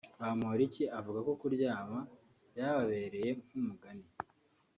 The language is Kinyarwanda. Bamporiki avuga ko kuryama byababereye nk’umugani